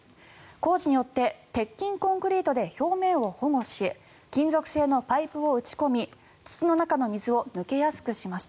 工事によって鉄筋コンクリートで表面を保護し金属製のパイプを打ち込み土の中の水を抜けやすくしました。